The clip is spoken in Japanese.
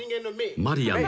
［マリアン。